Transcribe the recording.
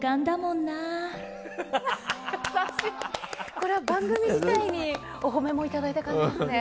これは番組自体にお褒めいただいた感じですね。